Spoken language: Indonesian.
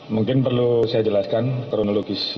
mungkin perlu saya jelaskan kronologis